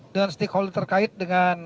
dengan stakeholder terkait dengan